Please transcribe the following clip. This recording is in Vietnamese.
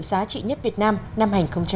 giá trị nhất việt nam năm hai nghìn một mươi chín